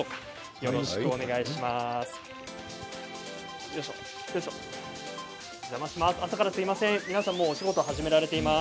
よろしくお願いします。